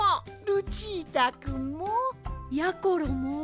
ルチータくんも！やころも